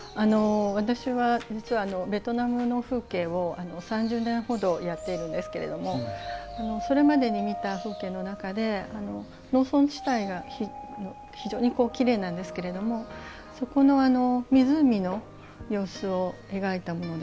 私は実はベトナムの風景を３０年ほどやっているんですけれどもそれまでに見た風景の中で農村地帯が非常にきれいなんですけれどもそこの湖の様子を描いたものです。